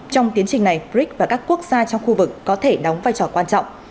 trong tiến trình này brics và các quốc gia trong khu vực có thể đóng vai trò quan trọng